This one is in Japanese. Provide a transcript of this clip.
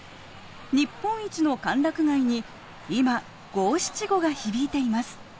日本一の歓楽街に今五七五が響いています。